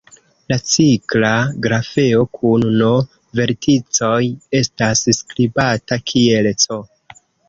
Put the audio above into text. La cikla grafeo kun "n" verticoj estas skribata kiel "C".